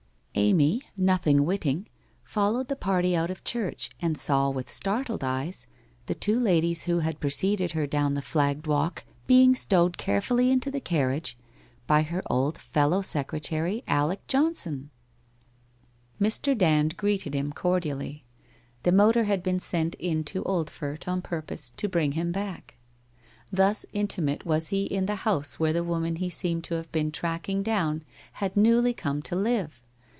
Amy, nothing witting, followed the party out of church and saw with startled eyes the two ladies who had preceded her down the flagged walk being stowed carefully into the carriage by her old fellow secretary, Alec Johnson ! Mr. Dand greeted him cordially. The motor had been sent in to Oldfort on purpose to bring him back. Thus WHITE ROSE OF WEARY LEAF 55 intimate was he in the house where the woman he seemed to have been tracking down had newly come to live